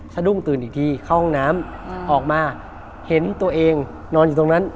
สะดุ้งตื่นอีกทีเข้าห้องน้ำออกมาเห็นตัวเองนอนอยู่ตรงนั้น